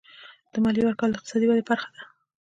د مالیې ورکول د اقتصادي ودې برخه ده.